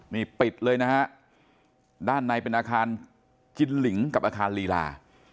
นี่ปิดเลยนะฮะด้านในเป็นอาคารกินหลิงกับอาคารลีลา